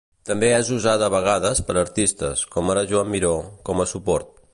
També és usada a vegades per artistes, com ara Joan Miró, com a suport.